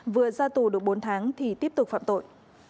vừa ra tù được bốn tháng thì tiếp tục phạm tội